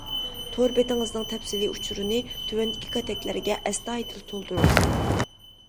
تور بېتىڭىزنىڭ تەپسىلىي ئۇچۇرىنى تۆۋەندىكى كاتەكلەرگە ئەستايىدىل تولدۇرۇڭ.